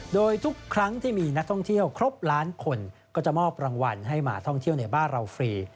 โดยทุกครั้งที่มีนักท่องเที่ยวครบล้านคนก็จะมอบรางวัลให้มาท่องเที่ยวในบ้านเราฟรี